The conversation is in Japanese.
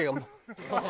ハハハハ！